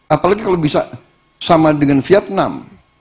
apalagi kalau bisa sama dengan vietnam